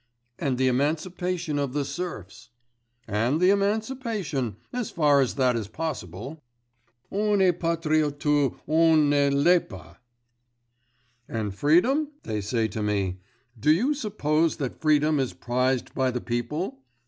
'And the emancipation of the serfs.' 'And the emancipation ... as far as that is possible. On est patriote ou on ne l'est pas. "And freedom?" they say to me. Do you suppose that freedom is prized by the people?